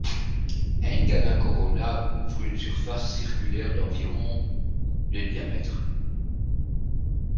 Eingana Corona couvre une surface circulaire d'environ de diamètre.